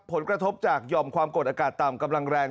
ผลกระทบจากยอมความกดอากาศต่ำกำลังแรง